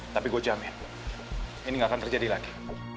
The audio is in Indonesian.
tapi gue jamin ini nggak akan terjadi lagi